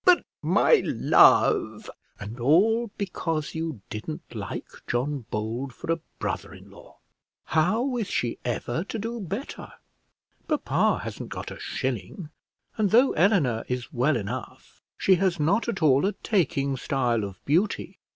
"But, my love " "And all because you didn't like John Bold for a brother in law. How is she ever to do better? Papa hasn't got a shilling; and though Eleanor is well enough, she has not at all a taking style of beauty.